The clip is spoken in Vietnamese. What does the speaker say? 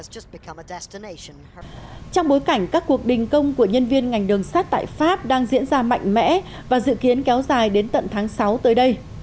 trong bối cảnh các cuộc đình công của nhân viên ngành đường sắt tại pháp đang diễn ra mạnh mẽ và dự kiến kéo dài đến tận tháng sáu tới đây